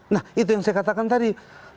nah itu yang saya katakan tadi